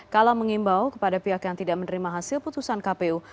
kala mengimbau kepada pihak yang tidak menerima hasil putusan kpu